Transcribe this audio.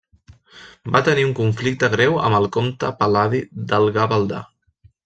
Va tenir un conflicte greu amb el comte Pal·ladi del Gavaldà.